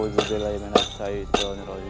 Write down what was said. sebenarnya ya tuduh